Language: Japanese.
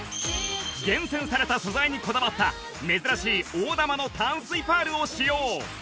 厳選された素材にこだわった珍しい大玉の淡水パールを使用